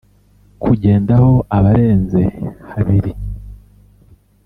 kugendaho abarenze habiri